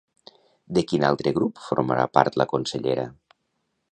De quin altre grup formarà part la consellera?